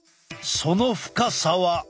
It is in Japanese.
その深さは。